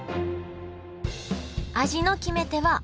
味の決め手はお酢。